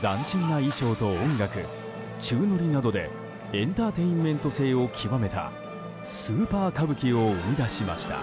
斬新な衣装と音楽、宙乗りなどでエンターテインメント性を極めた「スーパー歌舞伎」を生み出しました。